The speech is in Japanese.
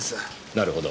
なるほど。